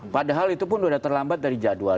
padahal itu pun sudah terlambat dari jadwal